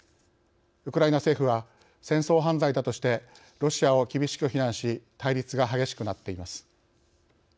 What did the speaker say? ウクライナ政府は戦争犯罪だとしてロシアを厳しく非難し対立が激しくなっています。